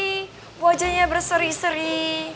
tapi wajahnya berseri seri